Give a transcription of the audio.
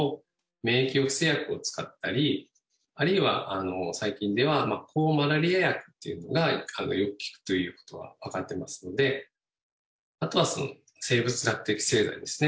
免疫抑制薬を使ったりあるいは最近では抗マラリア薬っていうのがよく効くということが分かってますのであとは生物学的製剤ですね